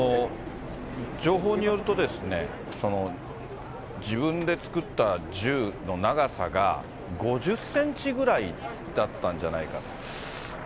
情報によるとですね、自分で作った銃の長さが、５０センチぐらいだったんじゃないかと。